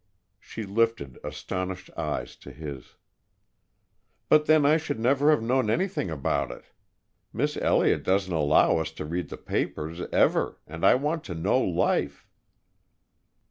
She lifted astonished eyes to his. "But then I should never have known anything about it! Miss Elliott doesn't allow us to read the papers ever, and I want to know Life."